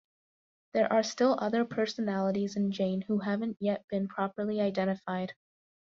There are still other personalities in Jane who haven't yet been properly identified.